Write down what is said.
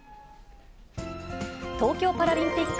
東京パラリンピック